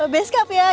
base cap ya gimana